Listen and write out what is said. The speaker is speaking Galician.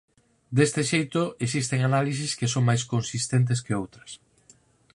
Deste xeito existen análises que son máis consistentes que outras.